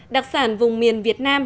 đặc sản vùng miền việt nam